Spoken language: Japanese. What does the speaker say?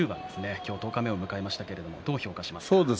今日、十日目を迎えましたがどう評価しますか？